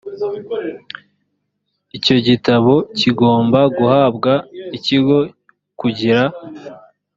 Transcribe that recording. icyo gitabo kigomba guhabwa ikigo kugira